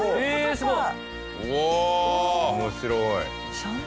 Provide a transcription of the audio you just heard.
すごい！